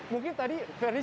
mungkin tadi ferdy